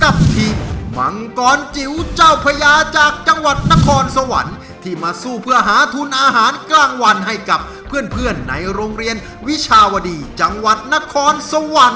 กับทีมมังกรจิ๋วเจ้าพญาจากจังหวัดนครสวรรค์ที่มาสู้เพื่อหาทุนอาหารกลางวันให้กับเพื่อนในโรงเรียนวิชาวดีจังหวัดนครสวรรค์